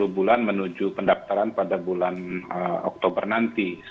sepuluh bulan menuju pendaftaran pada bulan oktober nanti